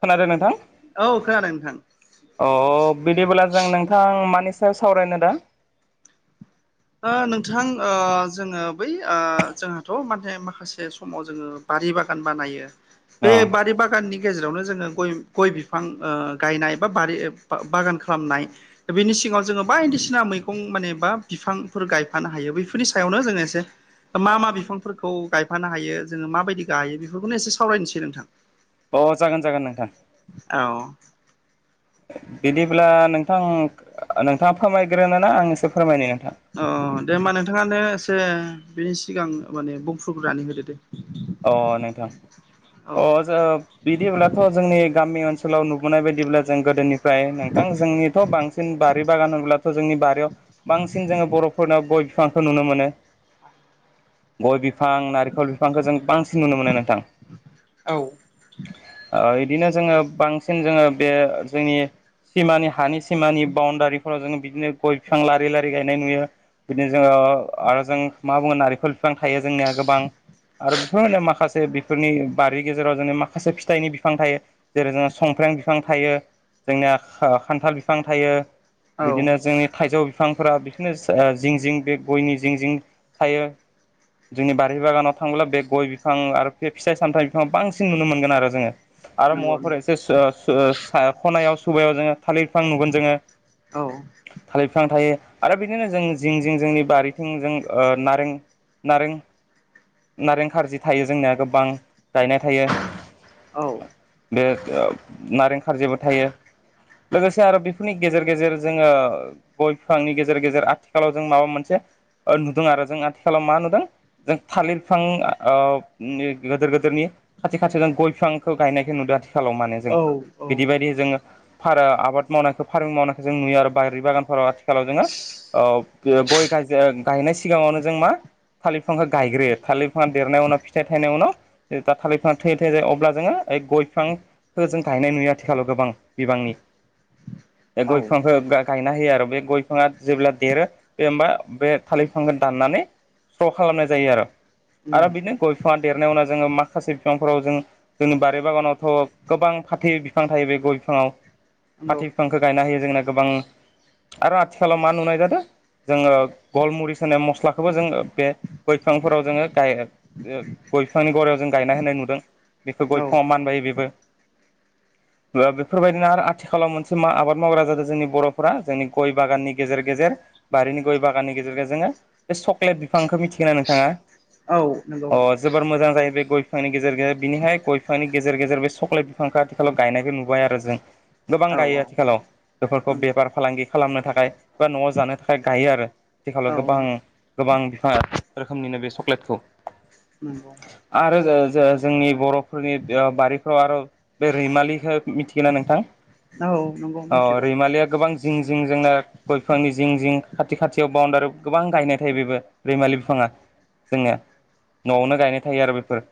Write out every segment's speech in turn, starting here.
खोनादों नोंथां? औ खोनादों नोंथां अ' बिदिबोला जों नोंथां मानि सायाव सावरायनो दा? ओ नोंथां ओ जोङो बै आ जोंहाथ' माने माखासे समाव जोङो। बारि बागान बानायो। अ बे बारि अ बाग गाननि गेजेरावनो जोङो गय, गय बिफां ओ गायनाय बा बारि बागान खालामनाय। दा बेनि सिगाङाव जोङो बायदिसिना मैगं माने बा बिफां फोर गायफानो हायो। बेफोरनि सायावनो एसे मा मा बिफांफोरखौ गाय फानो हायो जोङो। माबायदि गाहायो बेफोरखौनो एसे सावरायनोसै नोंथां। अ' जागोन जागोन नोंथां। औ बिदिब्ला नोंथां नोंथाङा फोरमायग्रोन ना? आंसो फोरमायनो नोंथां। अ' दे होमबा नोंथाङानो एसे बिनि सिगां माने बुंफ्रुग्रोनानै होदो दे। अ' नोंथां औ अ' जो बिदिब्लाथ' जोंनि गामि ओनसोलाव नुबोनाय बायदिब्ला जों गोदोनि फ्राय नोंथां जोंनिथ' बांसिन बारि बागान होनोब्लाथ' जोंनि बारियाव बांसिन जोङो बर'फोरनाव गय फांखौ नुनो मोनो। गय' बिफां नारेखल बिफांखौ जों बांसिन नुनो मोनो नोंथां। औ ओ बिदिनो जोंङो बांसिन जोंङो बे जोंनि सिमानि हानि सिमानि बाउण्डारिफोराव जोंङो बिदिनो गय बिफां लारि लारि गायनाय नुयो। बिदिनो जोंओ मा बुङो नारेखल बिफां थायो जोंनिया गोबां आरो फोरनो माखासे बिफोरनि बारि गेजेराव जोंनो माखासे फिथाइनि फिफां थायो। जेरै जोंहा संफ्रें बिफां थायो जोंनिया खान्थाल बिफां थायो। औ बिदिनो जोंनि थाइजौ बिफांफोरा बि नोस ओ जिं जिं बे गयनि जिं जिं थायो। जोंनि बारि बागानाव थांब्ला बेग गय बिफां आरो बे फिथाइ सामथाइ बिफां बांसिन नुनो मोनगोन आरो जोङो। आरो नंगौ मवाफोर नंगौ एसे सो ओ ओ सा खनायाव सुबायाव जोङो थालिर बिफां नुगोन जोङो। औ थालिर बिफां थायो आरो बिदिनो जों जिं जिं जोंनि बारिथिं जों ओ नारें नारें नारें थारजि थायो जोंनिया गोबां गायनाय थायो औ [unintelligible] नारें खारजेबो थायो लोगोसे आरो बेफोरनि गेजेर गेजेर जोंङो गय बिफांनि गेजेर गेजेर आथिखालाव जों माबा मोनसे ओ नुदों आरो जों आथिखालाव मा नुदों जों थालिर बिफां ओ गोदोर गोदोरनि खाथि खाथि जों गय बिफांखौ गायनायखौ नुदों। खालाव माने जों औ औ बिदि बायदि जोंङो फारा आबाद मावनायखो फार्मिं मावनायखो जों नुयो आरो बायारि बागानफोराव आ थिखालाव जोंङो औ गायनाय सिगाङावनो जों मा थालिरफांखौ गायग्रो थालिर बिफांआ देरनाय उनाव फिथाइ थायनाय उनाव दा थालिर [unintelligible] अब्ला जोंङो ओइ गय बिफां खो जों गायनाय नुयो आथिखालाव गोबां बिबांनि बे औ गय बिफांखो गा यना होयो आरो बे गयफाङा जेब्ला देरो बे होमबा बे थालिरफांखो दाननानै [unintelligible] खालामनाय जायो आरो उम आरो बिदिनो गय बिफाङा देरनाय उवाव जोङो माखासे बिफांफोराव जों जोंनो बारि बागानावथ' गोबां फाथै बिफां थायो बे गय बिफाङाव नंगौ फाथै बिफां खो गायना होयो जोंना गोबां आरो आथिखालाव मा नुनाय जादो जोंङो गलमुरिस होनाय मस्लाखौबो जों बे गय बिफांफोराव जोंङो [unintelligible] गय बिफांनि गरायाव जों गायना होनाय नुदों। बेखो गय औ फाङाव मानबायो बेबो। ओ बेफोरबायदिनो आरो आथिखालाव मोनसे मा आबाद मावग्रा जादो जोंनि बर'फोरा जोंनि गय बागाननि गेजेर गेजेर बारिनि गय बागाननि गेजेरजों जोङो बे चक्लेट बिफांखो मिथिगोन ना नोंथाङा? औ नंगौ अ जोबोर मोजां जायो बे गय बिफांनि गेजेर गेजेर बिनिहाय गयफांनि गेजेर गेजेर बे सक्लेट बिफांखो आथिखालाव गायनायखो नुबाय आरो जों गोबां औ गायो आथिखालाव बेफोरखौ नंगौ बेबार फालांगि खालामनो थाखाय बा न'आव जानो थाखाय गायो आरो थिखालाव औ गोबां गोबां बिफा रोखोमनिनो बे चक्लेटखौ नोंगौ आरो जो जो जोंनि बर'फोरनि ओ बारिफ्राव आरो बे रैमालिखो मिथिगो ना नोंथां औ नंगौ अ मिथिगौ रैमालिया गोबां जिं जिं जोंना गय बिफांनि जिं जिं खाथि खाथियाव बाउणडारि गोबां गायनाय थायो बेबो रैमालि बिफाङा जोंनिया न'आवनो गायनाय थायो आरो बेफोर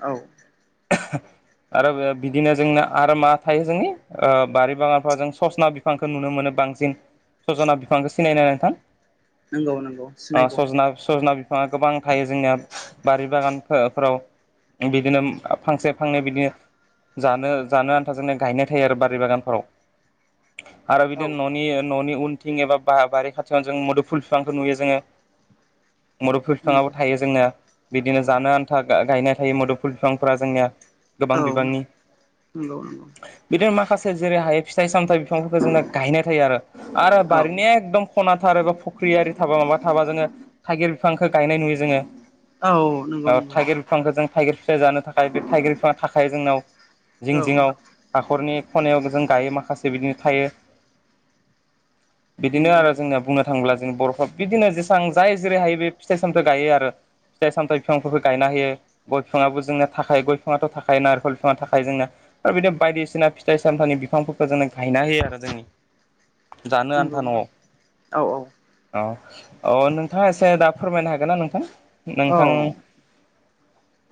औ आरो बे बिदिनो जोंना आरो मा थायो जोंनि ओ बारि बागानफ्राव जों ससना बिफांखौ नुनो मोनो बांसिन। सजना बिफांखो सिनायनो नोंथां नंगौ नंगौ ओ सिनायगौ सजना सजना बिफाङा गोबां थायो जोंनिया बारि बागान फो फ्राव बिदिनो फांसे फांनै बिदिनो जानो जानो आन्थाजोंनिया गायनाय थायो आरो बारि बागानफोराव। आरो औ बिदिनो न'नि न'नि उनथिं एबा बा बारि खाथियाव जों मदुम फुल बिफांखौ नुयो जोङो। मुदु फुल बिफाङाबो नंगौ थायो जोंना। बिदिनो जानो आन्था गायनाय थायो मुदफुल बिफांफोरा जोंनिया गोबां औ बिबांनि नंगौ नंगौ। बिदिनो माखासे जेरै हायो फिथाइ सामथायाइ बिफांफोरखौ जोंना गायनाय थायो आरो। आरो औ बारिनिया एकदम खनाथार एबा फख्रियारि थाबा माबा थाबा जोंङो थाइगिर बिफांखो गायनाय नुयो जोंङो औ नंगौ नंगौ बिफांखो जों थाइगिर फिथाय जानो थाखाय बे थाइगिर बिफाङा थाखायो जोंनाव। जिं औ जिङाव हाखरनि खनायाव जों गायो माखासे बिदिनो थायो बिदिनो नंगौ आरो जोंनिना बुंनो थाङोब्ला जों बर'फ्रा बिदिनो जेसां जाय जेरैहायो बे फिथाइ सामथाइ गायो आरो फिथाइ सामथ बिफांफोरखौ गायना हायो। गय फिफाङाबो जोंना थाखायायो गयफाङाथ' थाखायायो नारेखल बिफाङा थाखायो जोंना। आरो बिदिनो बायदिसिना फिथाइ सामथाइनि बिफांफोरखौ जोंङो गायना होयो आरो जोंङो। जानो नंगौ आन्था न'आव। औ अ अ नों थाङा एसे दा फोरमायनो हागोन ना नोंथां? औ नोंथां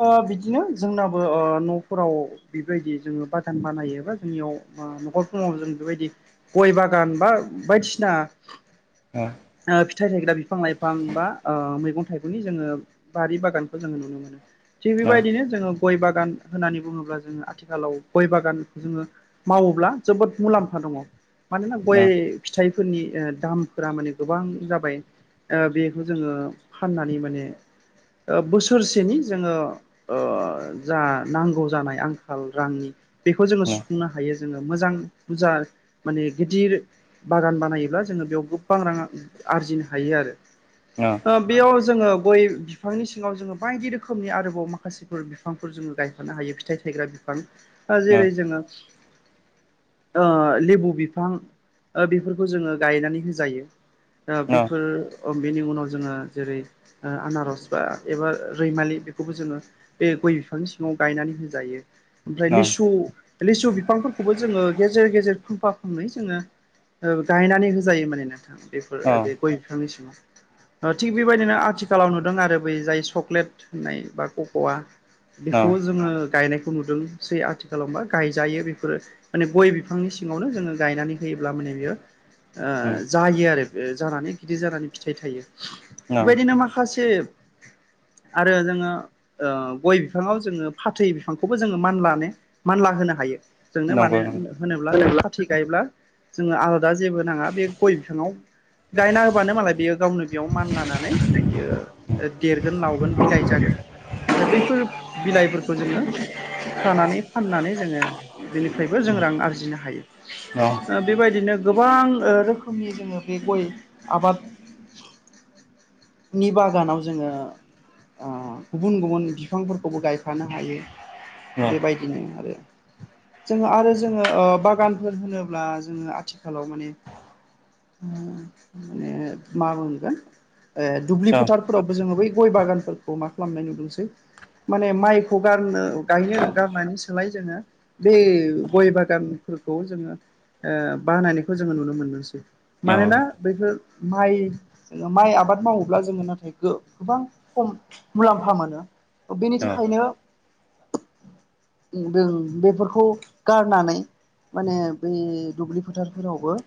ओ बिदिनो जोंनाबो ओ न'फोराव बेबायदि जोङो बादान बानायो बा जोंनियाव ओ न'खरफोराव जों बेबायदि गय बागान बा बायदिसिना ओ। ओ फिथाइ थायग्रा बिफां लाइफां बा ओ मैगं थाइगंनि जोङो बारि बागानखौ जोङो नुनो मोनो थिग ओ बेबायदिनो जोङो गय बागान होननानै बुङोब्ला जोङो आथिखालाव गय बागानखौ जोङो मावोब्ला जोबोद मुलाम्फा दङ। मानोना ओ गय फिथाइफोरनि ओ दामफोरा माने गोबां जाबाय। ओ बेखौ जोङो फान्नानै माने ओ बोसोरसेनि जोङो ओ जा नांगौ जानाय आंखाल रांनि बेखौ जोङो सुफुंनो हायो। जोङो मोजां जा माने गिदिर बागान बानायोब्ला जोङो बेयाव गोबां रां आरजिनो हायो आरो। ओ। ओ बेयाव जोङो गय बिफांनि सिङाव जोङो बायदि रोखोमनि आरो माखासेफोर बिफांफोर जोङो गायफनो हायो फिथाइ थायग्रा बिफां। ओ जेरै जोङो ओ लेबु बिफां ओ बेफोरखौ जोङो गायनानै होजायो। ओ बेफोर अ बेनि उनाव जोङो जेरै ओ आनारस बा एबा रैमालि खौबो जोङो बे गय बिफांनि सिङाव गायनानै होजायो। ओमफ्राय लिसु लिसु बिफांफोरखौबो जोङो गेजेर गेजेर फांफा फांनै जोङो ओ गायनानै होजायो माने नोंथां। बेफोर ओ बे गय बिफांनि सिङाव थिग बेबायदिनो आथिखालाव नुदों आरो बै जाय चक्लेट होननाय बा पक'वा बेखौ जोङो गायनायखौ नुदों। जे आथिखालावबा गायजायो बेफोरो। माने गय बिफांनि सिङावनो जोङो गायनानै होयोब्ला माने बेयो ओ उम जायो आरो ओ जानानै गिदिर जानानै फिथाइ थायो। बेबायदिनो माखासे आरो जोङो ओ गय बिफाङाव जोङो फाथै बिफांखौबो जोङो मानलानो मानला होनो हायो। जोंनो मानो नंगौ नंगौ होनोब्ला जोङो फारथि गायोब्ला जोङो आलादा जेबो नाङा बे गय बिफाङाव गायना होबानो मालाय बियो गावनो बेयाव मान लानानै बियो देरगोन लावगोन बिलाइ ओमफ्राय बैफोर बिलाइफोरखौ जोङो खानानै फाननानै जोङो बेनिफ्रायबो जों रां आरजिनो हायो। अ। ओ बेबायदिनो गोबां ओ रोखोमनि जोङो बे गय आबाद नि बागानाव जोङो ओ गुबुन गुबुन बिफांफोरखौबो गायफानो हायो। औ बेबायदिनो आरो जोङो आरो जोङो बागानफोर होनोब्ला जोङो आथिखालाव माने माने मा मोनगोन ओ दुब्लि फोथारफोरावबो जोङो बै गय बागानफोरखौ मा खालामनाय नुदोंसै। माने माइखौ गारनो गायनो गारनानै सोलाय जोङो बे गय बागान [unintelligible] जोङो ओ बाहानायनायखौ जोङो नुनो मोनदोंसै। औ मानोना बैफोर माइ जोङो माइ आबाद मावोब्ला जोङो नाथाय गोबां खम मुलाम्फा मोनो बेनि औ थाखायनो जों बेफोरखौ गारनानै माने बै दुब्लि फोथारफोरावबो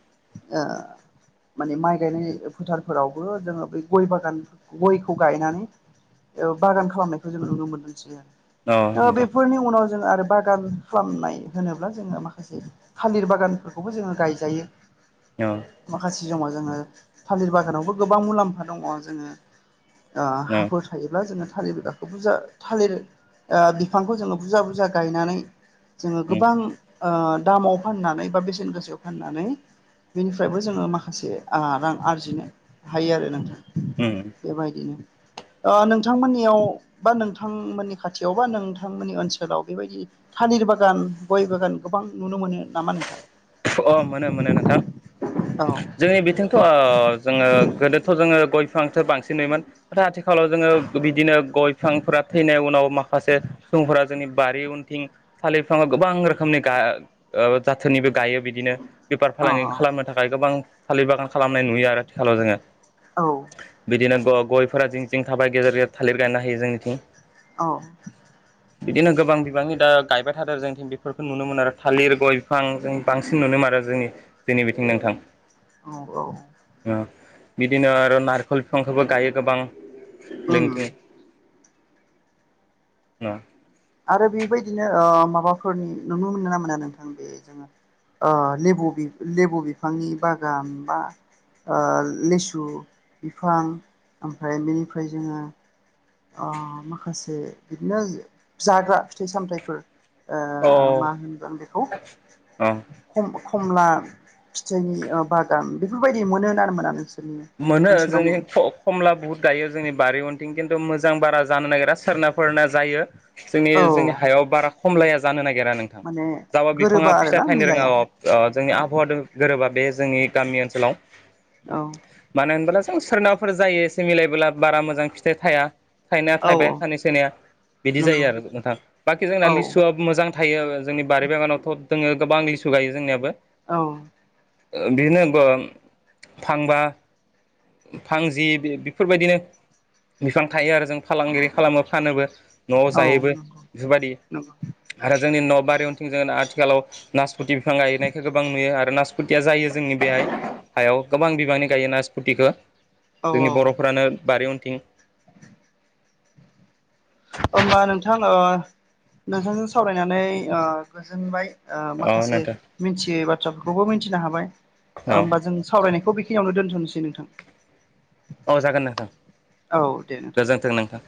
माने माइ गायनाय फोथारफोरावबो जोङो बै गय बागान गयखौ गायनानै बागान खालामनायखौ जोंङो नुनो मोनसै औ आरो। नोंथां बेफोरनि उनाव जोङो आरो बागान खालामनाय होनोब्ला जोङो माखासे थालिर बागानफोरखौबो जोङो गायजायो। औ। माखासे समाव जोङो थालिर बागानावबो गोबां मुलाम्फा दङ। ओ जोङो उम खायोब्ला जोङो थालिर बिगाखौ बुरजा थालिर बिफांखौ जोङो बुरजा- बुरजा गायनानै जोङो गोबां ओ दामाव फाननानै बा बेसेन गोसायाव फाननानै बेनिफ्रायबो जोङो माखासे रां आरजिनो हायो आरो नोंथां। उम बेबायदिनो ओ नोंथांमोननियाव बा नोंथांमोननि खाथियाव बा नोंथांमोननि ओनसोल ओनसोलाव बेबायदि थालिर बागान, गय बागान गोबां नुनो मोनो नामा नोंथां? अ मोनो- मोनो नोंथां। औ। जोंनि बिथिं जोङो गोदोथ' जोङो गय [unintelligible] आथिखाल आथिखालाव जोङो बिदिनो गय बिफांफोरा थैनाय उनाव माखासे सुबुंफोरा जोंनि बारि उनन्थिं थालिरफाङा गोबां रोखोमनि गा- जाथोननिबो गायो बिदिनो। बेफार अ फालांगि खालामनो थाखाय गोबां थालिर बागान खालामनाय नुयो आरो आथिखालाव जोङो। औ। बिदिनो ग- गयफोरा जिं- जिं थाबाय गेजेर -गेजेर थालिर गायनो हायो जोंनिथिं। औ। बिदिनो गोबां बिबांनि दा गायबाय थादों जोंथि बेफोरखौ नुनो मोनोन आरो थालिर गय बिफां जों बांसिन नुनो मोनोन आरो जोंनि जोंनि बिथिं नोंथां। औ औ। बिदिनो आरो नारिखल बिफांफोरबो गायो गोबां। उम [unintelligible] आरो बेबायदिनो माबाफोरनि नुनो मोनो ना मोना? नोंथां बे जोङो लेबु -लेबु बिफांनि बागान बा ओ लिसु बिफां ओमफ्राय बेनिफ्राय जोङो ओ माखासे बिदिनो जाग्रा फिथाइ- सामथाइफोर ओ अ मा होनगोन बेखौ? अ खम खमला फिथाइनि बागान बेफोरबायदि मोनो आरो मोना नोंसोर मोनो जोंनि खमला बुहुद गायो जोंनि बारि उन्थिं खिन्थु मोजां बारा जानो नागिरा। सोरनाफोरना जायो जोंनि औ -जोंनि हायाव बारा खमलाया जानो नागिरा [unintelligible] माने जाबा बिफाङा गोरोबा फिथाइ आरोना थायनो रोङा मिलाया औ जोंनि आबहावा जों गोरोबा बे जोंनि गामि ओनसोलाव औ। मानो होनबोला जों सोरनावाफोर जायो एसे मिलायबोला बारा मोजां फिथाइ थाया। थाइनाया औ थाइबाय सानै सोनिया बिदि जायो नंगौ आरो नोंथां बाखि जोंना औ लिसुआ मोजां थायो जोंनि बारि बागानावथ' दोङो गोबां लिसु गायो जोंनियाबो। औ। [unintelligible] थांबा फांजि बेफोरबायदिनो बिफां थायो आरो जों फालांगिरि खालामो फानोबो न'आव औ जाहैबो नंगौ बेफोरबायदि नंगौ आरो जोंनि न'आव बारि उनथिंजाय आथिखालाव नासपथि बिफां गायनायखौ गोबां नुयो आरो [unintelligible] टिया जायो जोंनि बेहाय हायाव गोबां बिबांनि गायो नास्फुटिखौ औ जोंनि औ बर' फ्रानो बारि उनथिं होमबा नोंथां ओ नोंथांजों सावरायनानै गोजोनबाय ओ अ माखासे नोंथां मिथियै बाथ्राफोरखौबो मिथिनो हाबाय औ होमबा जों सावरायनायखौ बे खिनियावनो दोनथ'नोसै नोंथां। औ जागोन नोंथां औ दे नोंथां गोजोन्थों नोंथां।